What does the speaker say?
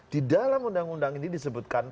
di dalam undang undang ini disebutkan